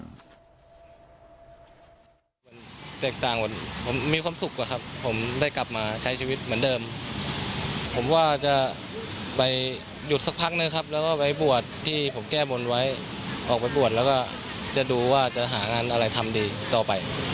ส่วนแตกต่างกันผมมีความสุขอะครับผมได้กลับมาใช้ชีวิตเหมือนเดิมผมว่าจะไปหยุดสักพักนึงครับแล้วก็ไปบวชที่ผมแก้บนไว้ออกไปบวชแล้วก็จะดูว่าจะหางานอะไรทำดีต่อไป